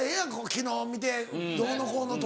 昨日見てどうのこうのとか。